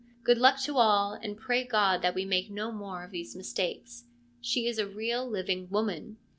Good luck to all, and pray God that we make no more of these mistakes,' she is a real living woman.